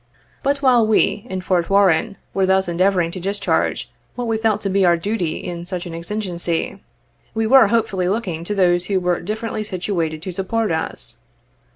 But while we, in Fort Warren, were thus endeavoring to discharge what we felt to be our duty in such an exigency, we were hopefully looking to those who were differently situated to support us.